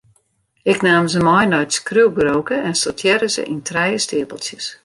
Ik naam se mei nei it skriuwburoke en sortearre se yn trije steapeltsjes.